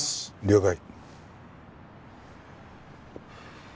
了解。